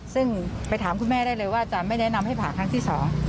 ซึ่งไปถามคุณแม่ได้เลยว่าจะไม่แนะนำให้ผ่าครั้งที่สอง